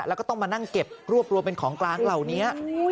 แล้วก็ต้องมานั่งเก็บรวบรวมเป็นของกลางเหล่านี้